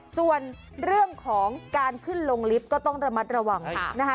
ส่วนเรื่องของการขึ้นลงลิฟต์ก็ต้องระมัดระวังนะคะ